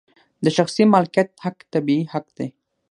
د شخصي مالکیت حق طبیعي حق دی.